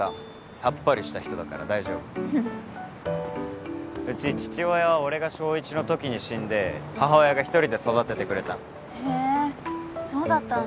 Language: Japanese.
さっぱりした人だから大丈夫うち父親は俺が小１のときに死んで母親が一人で育ててくれたのへえそうだったんだ